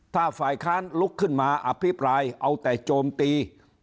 ถ้าฝ่ายค้านลุกขึ้นมาอภิปรายเอาแต่โจมตี